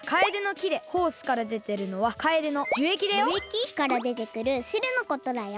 木からでてくるしるのことだよ。